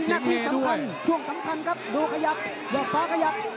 นี่หน้าที่สำคหันช่วงสำคัญครับยอดฟ้าขยับ